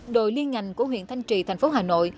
đội liên ngành của huyện thanh trì thành phố hà nội